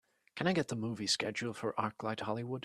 Can I get the movie schedule for ArcLight Hollywood